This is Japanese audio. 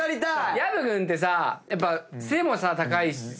薮君ってさやっぱ背も高いしさ。